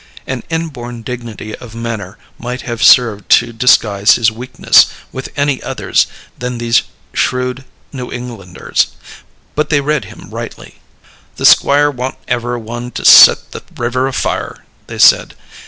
An inborn dignity of manner might have served to disguise his weakness with any others than these shrewd New Englanders, but they read him rightly. "The Squire wa'n't ever one to set the river a fire," they said.